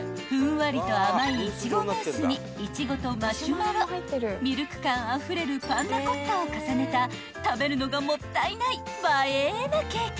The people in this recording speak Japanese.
わりと甘い苺ムースに苺とマシュマロミルク感あふれるパンナコッタを重ねた食べるのがもったいない映えなケーキ］